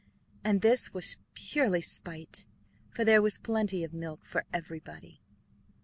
And this was purely spite, for there was plenty of milk for everybody.